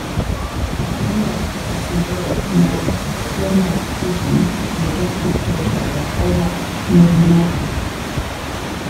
Takeda Katsuyori married Toyoma Fujin, the adopted daughter of Oda Nobunaga.